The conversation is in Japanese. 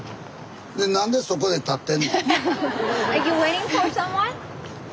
何でそこで立ってんの？